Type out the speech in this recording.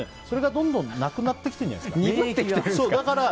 それが、どんどんなくなってきているんじゃないですか。